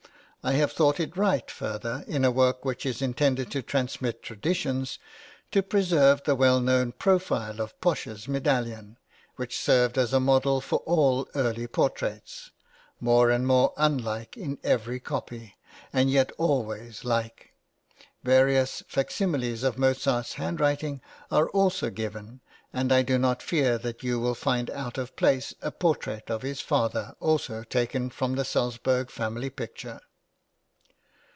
I have thought it right, further, in a work which is intended to transmit traditions, to preserve the well known profile of Posch's medallion, which served as a model for all early portraits, more and more unlike in every copy, and yet always like. Various fac similes of Mozart's handwriting are also given, and I do not fear that you will find out of place a portrait of his father, also taken from the Salzburg family picture.